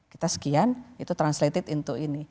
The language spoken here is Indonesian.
kita sekian itu translated untuk ini